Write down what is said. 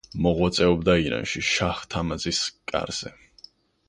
მოღვაწეობდა ირანში, შაჰ-თამაზის კარზე.